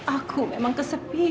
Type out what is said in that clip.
aku memang kesepian